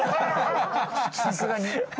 さすがに。